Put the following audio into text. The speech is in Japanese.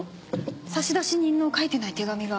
差出人の書いてない手紙が。